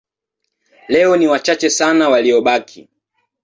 Leo ni wachache sana waliobaki.